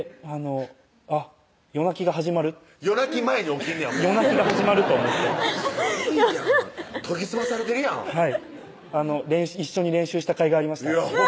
あっ夜泣きが始まる夜泣き前に起きんねやもう夜泣きが始まると思ってすごいやん研ぎ澄まされてるやんはい一緒に練習したかいがありました